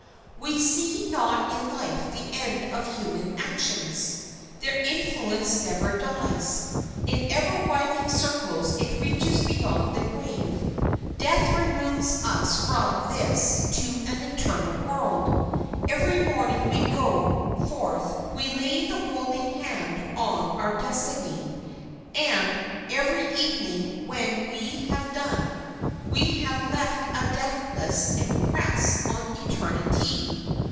We see not in life the end of human actions. Their influence never dies. In ever widening circles it reaches beyond the grave. Death removes us from this to an eternal world. Every morning when we go forth we lay the molding hand on our destiny, and every evening when we have done, we have left a deathless impress on eternity.